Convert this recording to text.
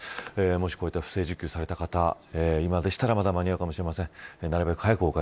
もし、こういった不正受給をされた方、今でしたらまだ間に合うかもしれません。